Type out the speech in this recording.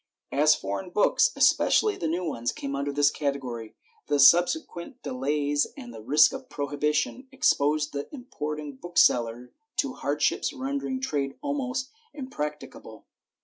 As foreign books, especially the new ones, came under this category, the consequent delays and the risk of prohibition exposed the importing bookseller to hardships ren dering trade almost impracticable.